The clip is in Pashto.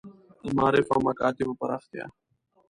د معارف او مکاتیبو پراختیا.